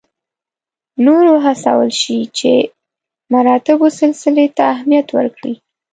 نور وهڅول شي چې مراتبو سلسلې ته اهمیت ورکړي.